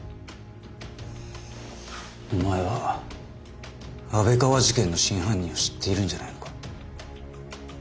お前は安倍川事件の真犯人を知っているんじゃないのか。